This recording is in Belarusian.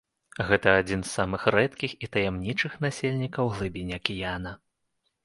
Гэта адзін з самых рэдкіх і таямнічых насельнікаў глыбінь акіяна.